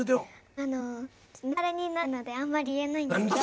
あのネタバレになっちゃうのであんまり言えないんですけど。